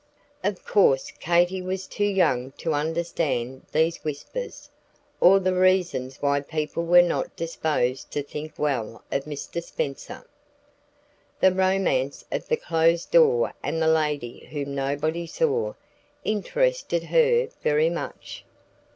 Of course Katy was too young to understand these whispers, or the reasons why people were not disposed to think well of Mr. Spenser. The romance of the closed door and the lady whom nobody saw, interested her very much.